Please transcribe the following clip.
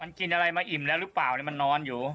มันกินอะไรมาอิ่มแล้วหรือเปล่ามันนอนอยู่